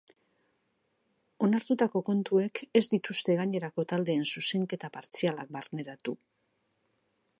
Onartutako kontuek ez dituzte gainerako taldeen zuzenketa partzialak barneratu.